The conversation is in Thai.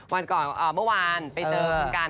วันก่อนเมื่อวานไปเจอคุณกัน